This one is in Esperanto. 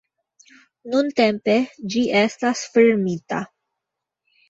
Nuntempe, ĝi estas fermita".